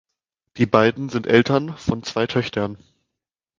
Die beiden sind Eltern von zwei Töchtern.